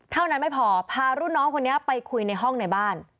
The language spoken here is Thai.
เท่านั้นไม่พอพารุ่นน้องคนนี้ไปคุยในห้องในบ้าน